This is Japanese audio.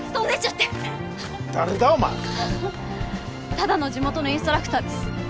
ただの地元のインストラクターです。